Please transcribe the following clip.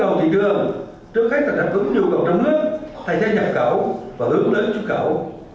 trước khách tập ứng nhu cầu trong nước thay thế nhập khẩu và hướng lưới xuất khẩu